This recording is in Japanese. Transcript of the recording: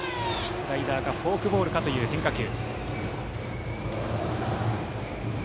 スライダーかフォークボールかという変化球。